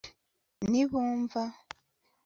ntibumva